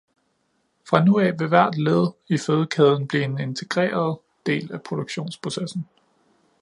Fra nu af vil hvert led i fødekæden blive en integreret del af produktionsprocessen.